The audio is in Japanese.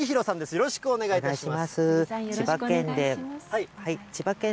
よろしくお願いします。